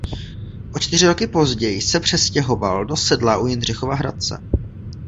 O čtyři roky později se přestěhoval do Sedla u Jindřichova Hradce.